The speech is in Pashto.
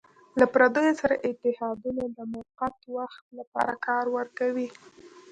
له پردیو سره اتحادونه د موقت وخت لپاره کار ورکوي.